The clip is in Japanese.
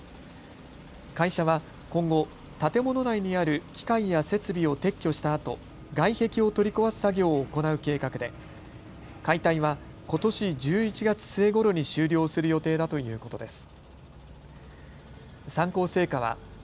会社は今後、建物内にある機械や設備を撤去したあと外壁を取り壊す作業を行う計画で解体はことし１１月末ごろに終了する予定だということです。